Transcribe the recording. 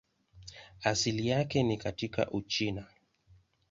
Asili yake ni katika Uchina.